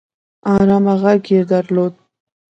ارامه غږ يې درلود